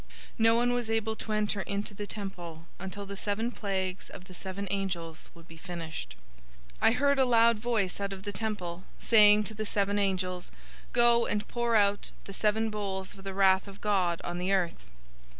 No one was able to enter into the temple, until the seven plagues of the seven angels would be finished. 016:001 I heard a loud voice out of the temple, saying to the seven angels, "Go and pour out the seven bowls of the wrath of God on the earth!"